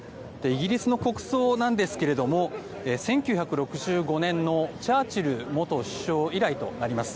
イギリスの国葬なんですけれども１９６５年のチャーチル元首相以来となります。